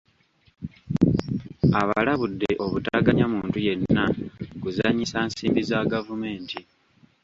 Abalabudde obutaganya muntu yenna kuzannyisa nsimbi za gavumenti.